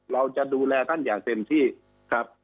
เราจะดูแลท่านอย่างเต็มที่ครับ